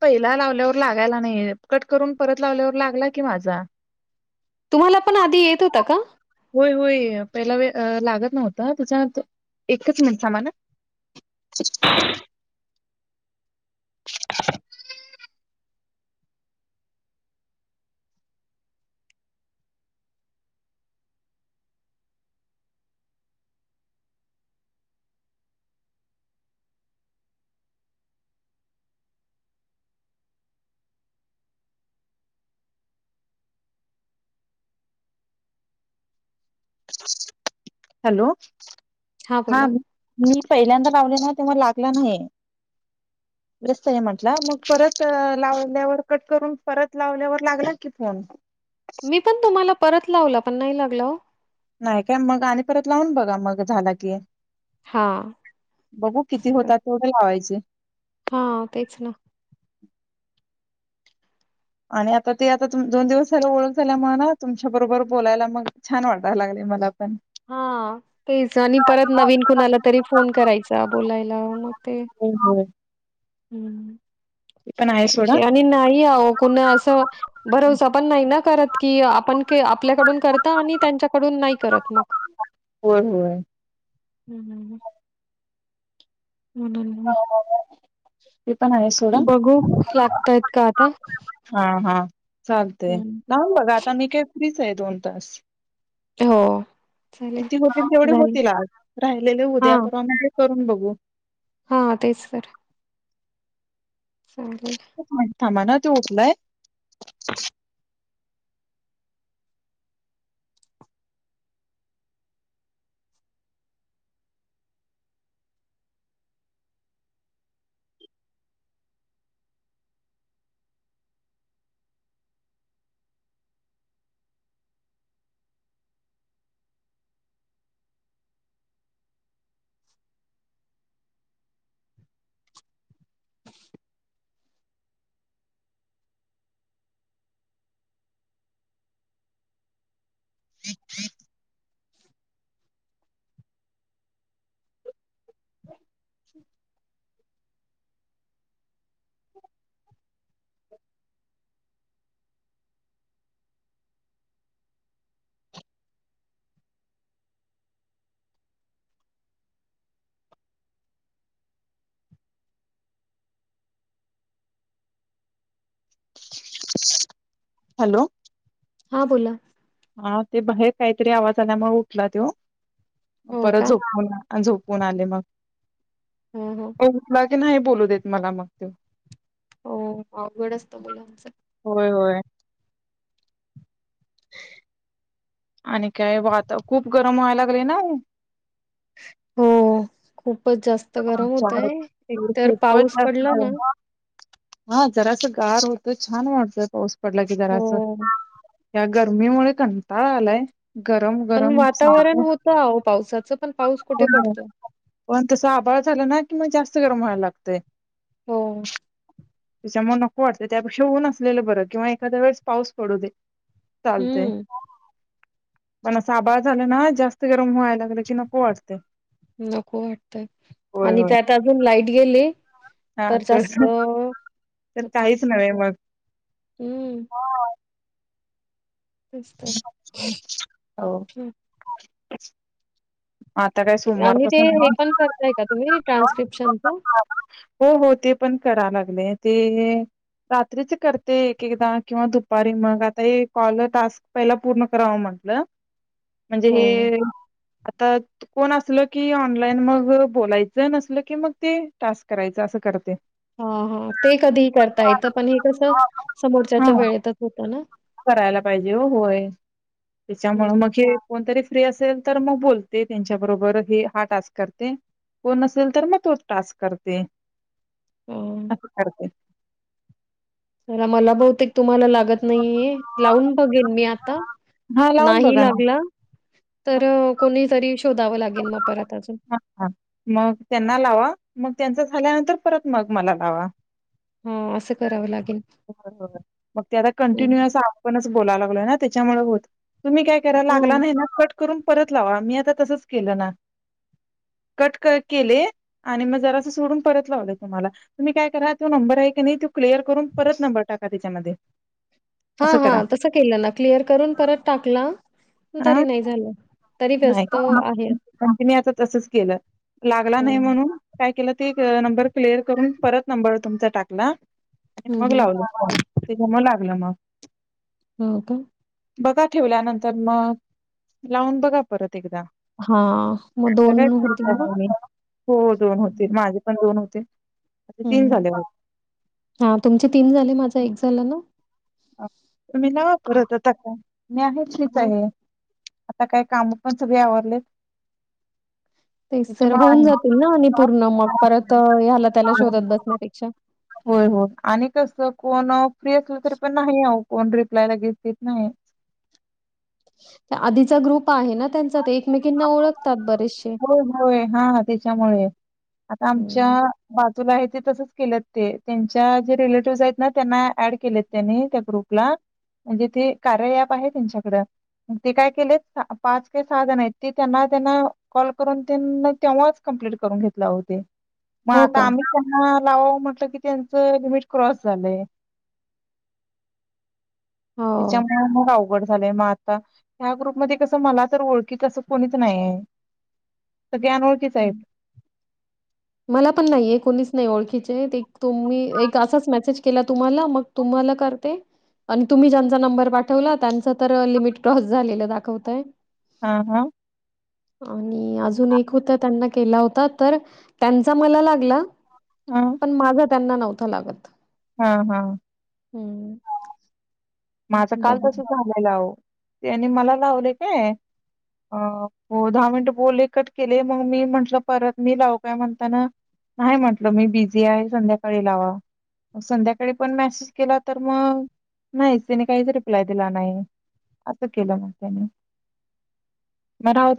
पहिला लावल्यावर लागायला नाही, कट करून परत लावल्यावर लागला की माझा तुम्हाला पण आधी येत होता का होय होय पहिला वेळ लागतं नव्हता त्यांच्यानंतर एकच मिंट थांबा ह हॅलो हां, हा बोला. मी पहिल्यांदा लावलेला ना तेव्हा लागला नाही, व्यस्त म्हटलं मग परत लावल्यावर कट करून परत लावल्यावर लागला कि फोन मी पण तुम्हाला परत लावलं पण नाही लागल नाही काय मग आणि परत लावून बघा मग झाला की हां, बघू किती तसं काय होतात तेवढे लावायचे हां, तेच ना. आणि आता ते आता दोन दिवस झालं ओळख झाल्यामुळे ना तुमच्या बरोबर बोलायला मग छान वाटायला लाग मला पण. हा तेच आणि परत होय, नवीन कुणाला तरी फोन करायचा बोलायला मग ते होय. हम्म ते पण आहे सोडा. विषय आणि नाही आ कुणा असं भरवसा पण नाही ना करत की आपण आपल्याकडून करत आणि त्यांच्याकडून नाही करत मग होय, होय. हम् हम् हम म्हणून ते पण आहे सोडा. बघू लागताय का आता चालते हं, नाहून बघा आता मी काय फ्री आहे दोन तास हो, चालेल. किती होतील तेवढे झाली होतील आज राहिलेले उद्या परवामध्ये करून बघू हो हा तेच सर सले एक मिनिट थांबा ना त उचलाय [unintelligible] [unintelligible] हॅलो हां बोला हा ते बाहेर काहीतरी आवाज आल्यामुळे उठला तो हो परत का? झोप झप फन आले मग हम हो उठला नाही हे बोलू देत मला मग त हो अवघड असत मुलांचं होय होय. आणि काय वातावरण खूप गरम व्हायला लागले ना हो खूप खूपच जास्त गरम आमच्याकडे होतय तर एकतर खूपच पाऊस जास्त पडला ना गरम हा जरास गार होत छान वाटतंय पडलं की हो जराचं या गर्मीमुळे कंटाळा आलाय गरम पण गरम सारखं वातावरण होतं आव पावसाचं पण पाऊस कुठे पडत ह आभाळ झाला ना कि मग जास्त गरम व्हायला लागते हो. त्याच्यामुळे नको वाटत त्यापेक्षा ऊन असलेलं बरं किंवा एखाद्या वेळेस पाऊस पडू दे चालते हम्म पण असं आभाळ झाला ना जास्त गरम व्हायला लागलं की नको वाटते नको होय आणि होय. त्यात अजून लाईट गेले हा तर तर होतं काहीच नव्हे मग हम्म तेच तर हं. ब [unintelligible] आता काय आणि ते सोमवारपासून हे पण करताय का तुम्ही ट्रान्स्क्रिप्शनच? हो हो ते पण करा लाग ते रात्रीच करते एक एकदा किंवा दुपारी मग आता कॉल टास्क पहिला पूर्ण करावं म्हटलं म्हणजे हो हे कोण असलं की ऑनलाईन मग बोलायचं नसल की मग ते टास्क करायचं असं करते हा हा ते कधीही करता येतं पण हे कसं समोरच्याच्या हा वेळेतच होतं ना करायला पाहिजे हो होय त्याच्यामुळे मग हे फ्री असेल तर मग बोलते त्यांच्याबरोबर हा टास्क करते कोण असेल तर मग तोच टास्क करते हम्म. अ करते [unintelligible] चला मला बहुतेक तुम्हाला लाग नाही लावून बघेल मी आता हा लावून नाही बघा ना लागला तर कोणी तरी शोधवं लागेल मला हा हा मग त्यांना लावा मग त्यांच झाल्यानंतर परत मग मला लावा हा असं करावं लागेल मग त्याला हं, कंटिन्युअस आपण बोलायला लागलो ना त्याच्यामुळे होत तुम्ही काय करा लागला हं. नाही ना कट कर परत लावा मी आता तसच केलं ना कट केले आणि मग जरा सोडून परत लावलं तुम्हाला तुम्ही काय करा त नंबर आहे की नाही क्लियर करून परत नंबर टाका त्याच्यामध्ये हा असं हा करा तसं केलं ना क्लिअर करून परत टाकला हा तरी नाही झालं तरी नाही व्यस्त आहे. कंटिन्यू आता तसंच केलं.. लागला नाही हं, म्हणून काय केलंत... तिनी नंबर क्लिअर करून परत नंबर तुमचा टाकला आता हं, मग हं. लावला ते जमू लागलं ना हो का... बघा ठेवल्यानंतर मग लावून बघा.. परत एकदा हां, मग काय होतील ना? हो दोन होते माझे पण दोन होते असे तीन हम् झाले हा तुमचे तीन झाले माझा एक वाटतं झाला ना तुम्ही ना हां, परत आता का माझे च हां. आहे आता काय काम पण सगळे आवरलेत.. ते सर्व त्याच्यामुळे होऊन आहे. जातील ना आणि पूर्ण मग परत ह्याला त्याला शोधत बसण्यापेक्षा होय हो आणि कस कोण फ्री असल तरी पण नाही कोण रिप्लाय पन देत नाही आधीचा ग्रुप आहे ना त्यांचा ते एकमेकींना ओळखतात बरेचसे. हो होय, हा हा त्याच्यामुळे आता आमच्या हम्म. तुला आहे ते तसच केलंत ते त्यांच्या जे रिलेटिव्हज आहेत ना त्यांना ऍड केलेत त्यांनी त्या ग्रुपला म्हणजे ते कार्य ऍप आहे त्यांच्याकड ते काय केलेत, पाच का सहा जण आहेत ते त्यांना- त्यांना कॉल करून तेन.. तेव्हाच कमप्लीट करून घेतले होते.. मग हो आता का? आम्ही [inaudible] करणार लावावं म्हंटलं की त्यांचे लिमिट क्राॅस झालंय हो. त्याच्यामुळे मग अवघड अवघड झालय मग आता ह्या ग्रुप मध्ये कस मला तर ओळखीत असं कोणीच नाही आहे सगळे अनोळखीच आहेत मला पण नाहिये कुणीच नाही ओळखीचे तुम्ही एक असाच मेसेज केला तुम्हाला मग तुम्हाला करते आणि तुम्ही ज्यांचा नंबर पाठवला त्यांच तर लिमिट क्रॉस झालेलं दाखवतय हा हा आणि अजून एक होत त्यांना केला होता तर त्यांचा मला लागला.. हा पण माझा त्यांना नव्हतां लागत.. हा- हा.. हम्म [inaudible] माझं काल बघू तस झालेल अहो.. त्यानी मला लावले काय अ हो दहा मिनट बोलले कट केले, मग मी म्हटलं परत मी लावू काय म्हणताना नाही म्हटलं मी बिझी आहे संध्याकाळी लावा मग संध्याकाळी पण मॅसेज केला तर मग नाहीच.. त्यांनी काहीच रिप्लाय दिला नाही असं केलं मग त्यानी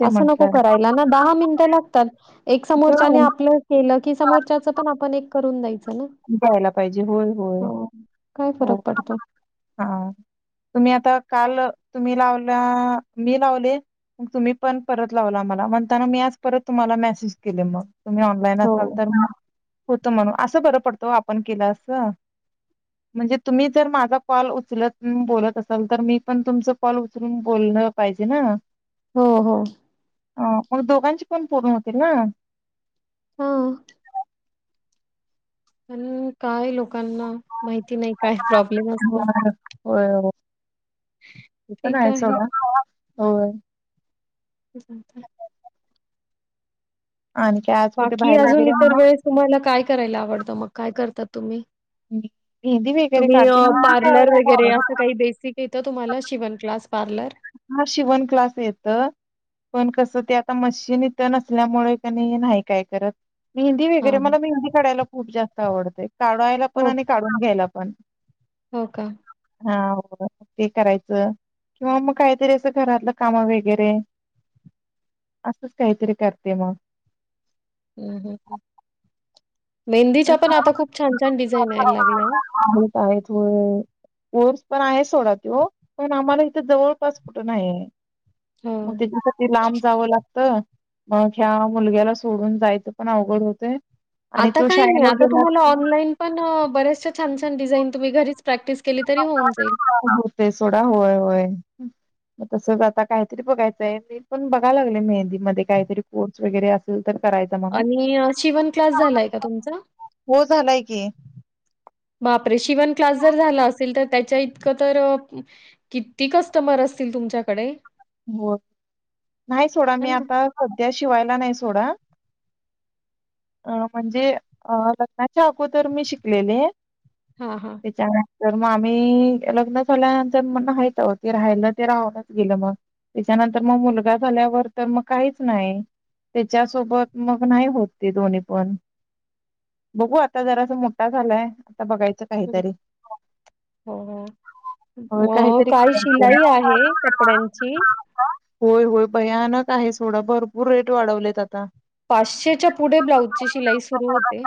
असं नको करायला ना दहा मिनटं लागतात एक समोरच्याने हो. आपलं केलं कि, समोरच्याच आपण पण एक करून जाईल. जायला पाहिजे होय -होय काय हो फरक पडतो? हा तुम्ही आता काल तुम्ही लावला मी लावले मग तुम्ही पण परत लावला मला म्हणताना मी आज परत तुम्हाला मेसेज केले मग तुम्ही ऑनलाईन हो, असाल तर मग पुढ तुम्हांना असं बर पडतो आपण केला अस म्हणजे तुम्ही जर माझा कॉल उचलत बोलत असाल तर मी पण तुमचा कॉल उचलून बोलल पाहिजे ना हो -हो अ मग दोघांचे पण पूर्ण होतील ना हो.. हम्म काय लोक लोकांना माहिती नाही काय प्रॉब्लेम असत होय ते पण आहे सोडा [inaudible] होय [inaudible] आणि काय आज कुठे बाकी बाहेर अजून वगैरे इतर वेळेस तुम्हाला काय करायला आवडतं मग? काय करतात तुम्ही? मेहंदी वगैरे तुम्ही काढते मेहंदी पार्लर काढायला वगैरे अस आवडते. काही बेसिक येत तुम्हाला शिवण क्लास? पार्लर? हा शिवण क्लास येत पण कस त्या आता मशीन इथं नसल्यामुळे कणय नाही काय करत. मेहंदी हां, वगैरे हां. मला मेहंदी काढायला खूप जास्त आवडतंय. काढायला पण हो, आणि काढून घ्यायला पण. हो का? ते करायचं. किंवा मग काहीतरी असं घरातलं काम वगैरे, असंच काहीतरी करते मग. हम्म हम्म हम्म मेहंदीचा आहेत पण आता खूप छान छान डिझाईन यायला लागल्या ओ. काय तो कोर्स पण आहे सोडा त्यो पण आम्हाला इथे जवळपास कुठ नाहीय. मग हो. त्याच्यासाठी लांब जावं लागत. मग ह्या मुलग्याला सोडून जायचं पण अवघड होतय. आता का नाही आ तुमला ऑनलाईन पण बऱ्याचशा छान छान डिझाइन मी घरीच. प्रॅक्टिस केली तरी होऊन जाईल. होते सोडा होय होय तसच आता काहीतरी बघायचंय मी पण बघाय लागलोय मेहंदी. मध्ये काहीतरी वगैरे असेल तर करायचा म्हणून. आणि शिवन क्लास झालाय का तुमचा? हो झालाय की बापरे शिवन क्लास जर झाला असेल तर त्याच्या इतकं तर किती कस्टमर असतील तुमच्याकडे. हो नाही सोडा है मी ना? आता सध्या शिवायला नाही सोड म्हणजे लग्नाच्या अगोदर मी शिकलेले. हां, हां. विचार तर मग आम्ही लग्न झाल्यानंतर मग [unintelligible] ते राहियलं ते राहूनच गेलं मग त्याच्यानंतर मग मुलगा झाल्यावर तर मग काहीच नाही त्याच्यासोबत मग नाही होत ते दोन्ही पण बघू आता जरा सा मोठा झालाय. बघायचं काहीतरी हो होय अ काहीतरी काय शिलाई आहे कपड्यांची. हा का होय होय भयानक आहे सोडा भरपूर रेट वाढवलेत आता. पाचशेच्या पुढे ब्लाऊजची शिलाई सुरू होते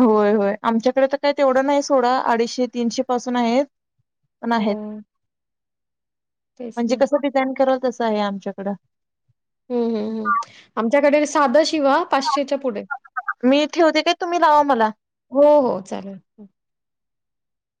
होय होय आमच्याकडे तर काही तेवढं नाही सोडा अडीचशे तीनशे पासून आहे पण आहेत हो, तेच म्हणजे ना. कस ते करतस आहे आमच्याकडं हम्म हम्म् आमच्याकडे साध पाचशे पुढ मी ठेवते काय तुम्ही लावा मला हो हो चालेल